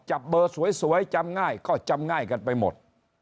จับเบอร์สวยจำง่ายก็จำง่ายกันไปหมด